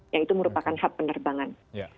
yang itu merupakan hub penerbangan